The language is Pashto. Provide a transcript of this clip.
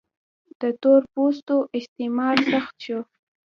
د تور پوستو استثمار سخت شو.